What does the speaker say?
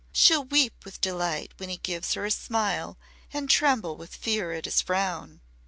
She'll 'weep with delight when he gives her a smile and tremble with fear at his frown.'